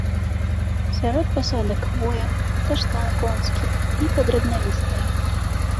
Сярод пасадак хвоя, каштан конскі, ліпа драбналістая.